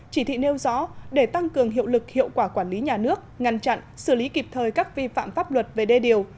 chỉ thị nêu rõ để tăng cường hiệu lực hiệu quả quản lý nhà nước ngăn chặn xử lý kịp thời các vi phạm pháp luật về đê điều